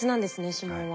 指紋は。